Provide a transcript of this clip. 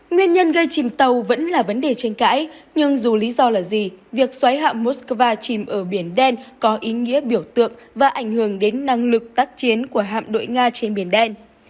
nguyên nhân gây chìm tàu vẫn là vấn đề tranh cãi nhưng dù lý do là gì việc xoáy hạm moscow chìm ở biển đen có ý nghĩa biểu tượng và ảnh hưởng đến năng lực tác chiến của hạm đội nga trên biển đen